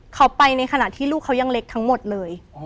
เขาไปในขณะที่ลูกเขายังเล็กทั้งหมดเลย